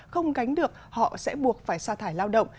không gánh được họ sẽ buộc phải xa thải lao động